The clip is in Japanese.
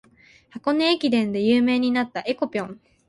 箱根駅伝で有名になった「えこぴょん」